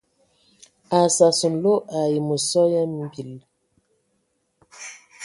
A sas nlo ai məsɔ ya mbil.